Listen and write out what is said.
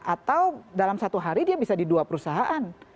atau dalam satu hari dia bisa di dua perusahaan